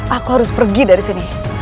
aku harus pergi dari sini